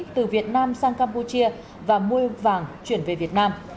từ việt nam sang campuchia và mua vàng chuyển về việt nam